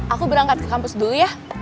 aku berangkat ke kampus dulu ya